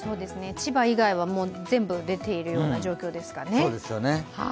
千葉以外は、全部出ているような状況ですかね。